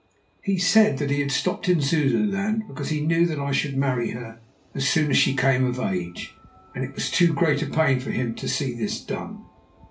He said that he had stopped in Zululand because he knew that I should marry her as soon as she came of age, and it was too great pain for him to see this done.